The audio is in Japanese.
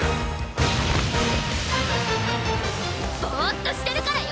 ボッとしてるからよ！